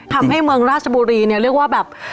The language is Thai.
ทำให้เมืองราชบุรีเนี่ยเรียกว่าแบบ